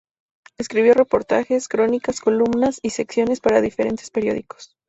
Escribió reportajes, crónicas, columnas y secciones para diferentes periódicos.